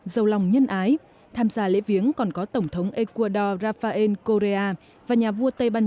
giàu lòng nhân ái tham gia lễ viếng còn có tổng thống ecuador rafael korea và nhà vua tây ban nha